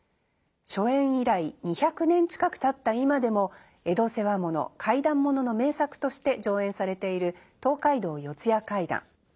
初演以来２００年近くたった今でも江戸世話物怪談物の名作として上演されている「東海道四谷怪談」。